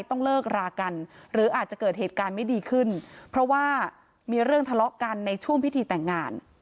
ต้องเลิกรากันหรืออาจจะเกิดเหตุการณ์ไม่ดีขึ้นเพราะว่ามีเรื่องทะเลาะกันในช่วงพิธีแต่งงาน